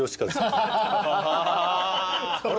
あれ？